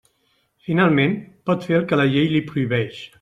Finalment, pot fer el que la llei li prohibeix.